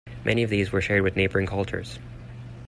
Many of these were shared with neighbouring cultures.